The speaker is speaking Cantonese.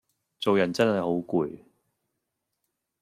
做人真係好攰